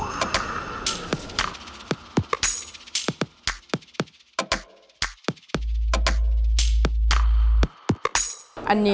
กับโหซูนิยังอยู่ทางเมืองหลังของเรา